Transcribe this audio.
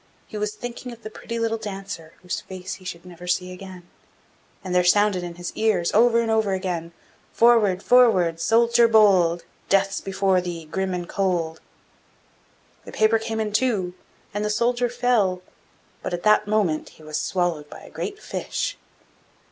He was thinking of the pretty little Dancer, whose face he should never see again, and there sounded in his ears, over and over again: 'Forward, forward, soldier bold! Death's before thee, grim and cold!' The paper came in two, and the soldier fell but at that moment he was swallowed by a great fish.